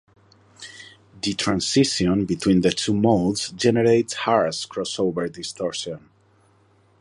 The transition between the two modes generates harsh crossover distortion.